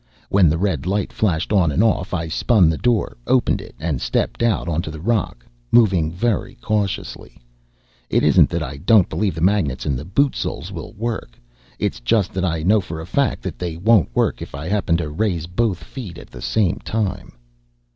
When the red light flashed on and off, I spun the door, opened it, and stepped out onto the rock, moving very cautiously. It isn't that I don't believe the magnets in the boot soles will work, it's just that I know for a fact that they won't work if I happen to raise both feet at the same time.